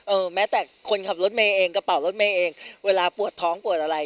แม้แต่คนขับรถเมย์เองกระเป๋ารถเมย์เองเวลาปวดท้องปวดอะไร